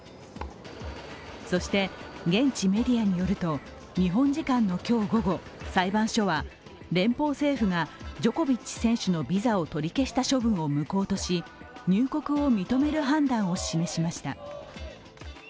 そして、現地メディアによると日本時間の今日午後、裁判所は、連邦政府がジョコビッチ選手のビザを取り消した処分を無効とし、入国を認める判断を示しました。